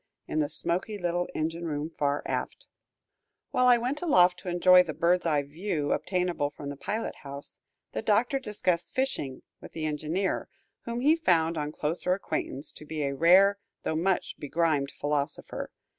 in the smoky little engine room far aft. While I went aloft to enjoy the bird's eye view obtainable from the pilot house, the Doctor discussed fishing with the engineer, whom he found on closer acquaintance to be a rare, though much begrimed philosopher.